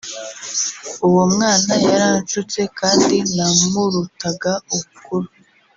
uwo mwana yaranshutse kandi namurutaga ubukuru